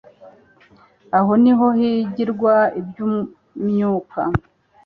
Aho niho higirwa iby'imyuka.